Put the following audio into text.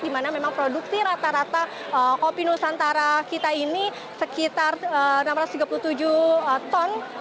di mana memang produksi rata rata kopi nusantara kita ini sekitar enam ratus tiga puluh tujuh ton